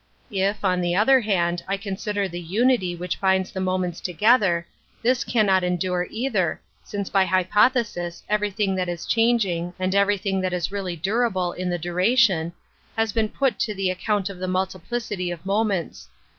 If, on the inti tion 1 other hand, I consider the nnity binds the moments together, this endare either, since by hypothesis ev< thing that is changing, and ererything thai is really dttrable in the duration, has been pnt to the acconnt of the muUiplidty of moments.